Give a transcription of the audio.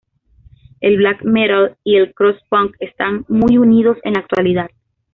El black metal y el crust punk están muy unidos en la actualidad.